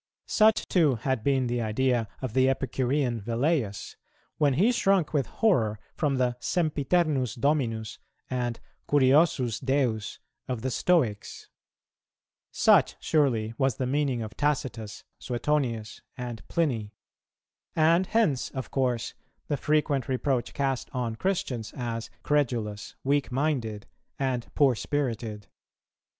Such too had been the idea of the Epicurean Velleius, when he shrunk with horror from the "sempiternus dominus" and "curiosus Deus" of the Stoics.[228:1] Such, surely, was the meaning of Tacitus, Suetonius, and Pliny. And hence of course the frequent reproach cast on Christians as credulous, weak minded, and poor spirited.